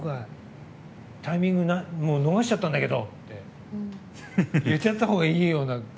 タイミング逃しちゃったんだけど！って言っちゃったほうがいいような。